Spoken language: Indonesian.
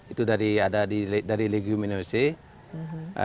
itu dari leguminosa